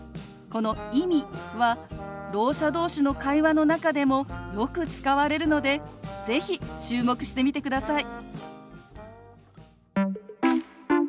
この「意味」はろう者同士の会話の中でもよく使われるので是非注目してみてください。